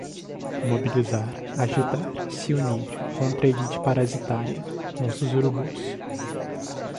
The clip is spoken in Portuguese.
Mobilizar, agitar, se unir, contra a elite parasitária, nossos urubus